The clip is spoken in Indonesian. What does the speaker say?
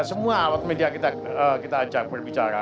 semua awak media kita ajak berbicara